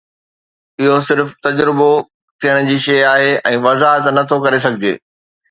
اهو صرف تجربو ٿيڻ جي شيء آهي ۽ وضاحت نه ٿو ڪري سگهجي